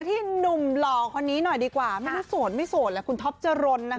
ที่หนุ่มหล่อคนนี้หน่อยดีกว่าไม่รู้โสดไม่โสดแหละคุณท็อปจรนนะคะ